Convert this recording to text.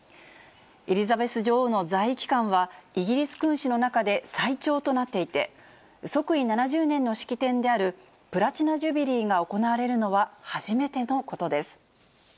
エリザベス女王の在位期間は、イギリス君主の中で最長となっていて、即位７０年の式典であるプラチナ・ジュビリーが行われるのは初めてのことです。